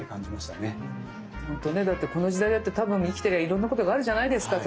この時代だって多分生きてりゃいろんなことがあるじゃないですか。